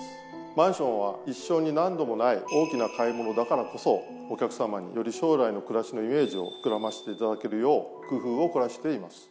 マンションは一生に何度もない大きな買い物だからこそお客さまにより将来の暮らしのイメージを膨らませていただけるよう工夫を凝らしています。